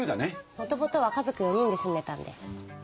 元々は家族４人で住んでたんで。